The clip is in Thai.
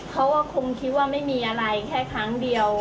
เขาก็คงคิดว่าไม่มีอะไรแค่ครั้งเดียว